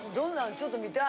ちょっと見たい。